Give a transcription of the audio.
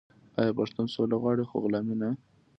آیا پښتون سوله غواړي خو غلامي نه؟